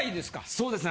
そうですね。